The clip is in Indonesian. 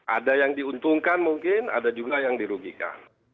ada yang diuntungkan mungkin ada juga yang dirugikan